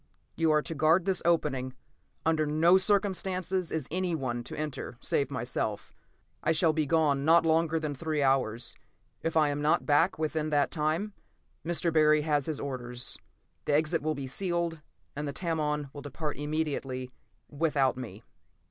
"You are to guard this opening. Under no circumstances is anyone to enter save myself. I shall be gone not longer than three hours; if I am not back within that time, Mr. Barry has his orders. The exit will be sealed, and the Tamon will depart immediately, without me."